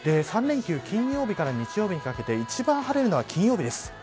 ３連休金曜日から日曜日にかけて一番晴れるのは金曜日です。